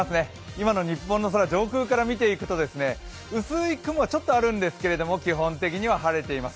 今の日本の空、上空から見ていくと薄い雲がちょっとあるんですけど基本的には晴れています。